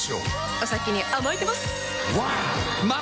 お先に甘えてます！